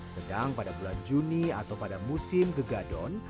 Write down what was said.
sedang pada bulan juni atau pada musim gegadon